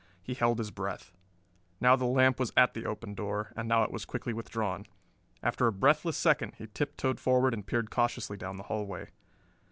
He held his breath. Now the lamp was at the open door, and now it was quickly withdrawn. After a breathless second he tip toed forward and peered cautiously down the hallway.